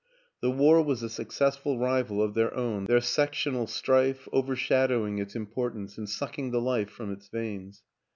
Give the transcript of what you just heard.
The war was the successful rival of their own, their sectional strife, over shadowing its importance and sucking the life from its veins.